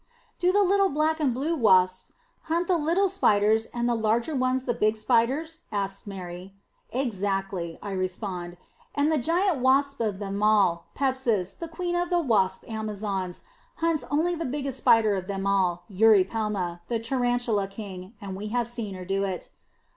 "Do the little black and blue wasps hunt the little spiders and the larger ones the big spiders?" asks Mary. "Exactly," I respond, "and the giant wasp of them all, Pepsis, the queen of the wasp amazons, hunts only the biggest spider of them all, Eurypelma, the tarantula king, and we have seen her do it."